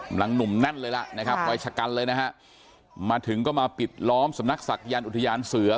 หนุ่มแน่นเลยล่ะนะครับวัยชะกันเลยนะฮะมาถึงก็มาปิดล้อมสำนักศักยันต์อุทยานเสือ